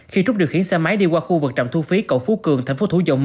khi trúc điều khiển xe máy đi qua khu vực trạm thu phí cầu phú cường tp thủ dầu một